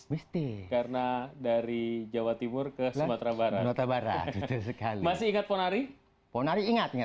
misti karena dari jawa timur ke sumatera barat barat sekali masih ingat ponari ponari ingatnya